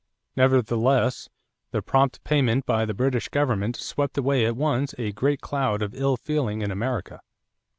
Nevertheless, the prompt payment by the British government swept away at once a great cloud of ill feeling in America.